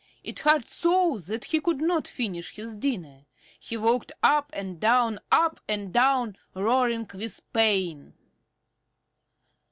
It hurt so that he could not finish his dinner. He walked up and down, up and down, roaring with pain.